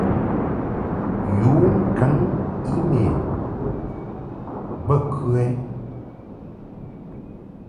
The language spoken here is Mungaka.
Yu ŋkaŋ e-mail bə kə ɛ?